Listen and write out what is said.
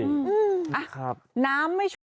น้ำไม่ชุ่ม